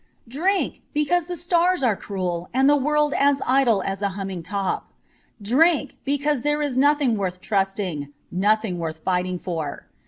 Drink, because the stars are cruel and the world as idle as a humming top. Drink, because there is nothing worth trusting, nothing worth fighting for.